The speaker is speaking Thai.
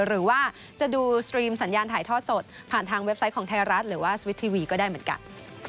หรือว่าจะดูสตรีมสัญญาณถ่ายทอดสดผ่านทางเว็บไซต์ของไทยรัฐหรือว่าสวิททีวีก็ได้เหมือนกัน